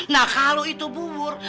nah kalo itu bubur